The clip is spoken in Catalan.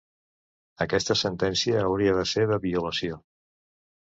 Aquesta sentència hauria de ser de violació.